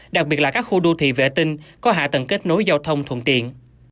đặc biệt là các khu đô thị vệ tinh có hạ tầng kết nối giao thông thuận tiện